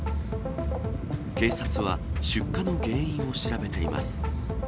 警察は、出火の原因を調べています。